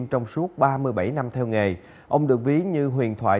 theo nghề ông được ví như huyền thoại